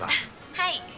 はい。